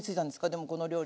でもこの料理。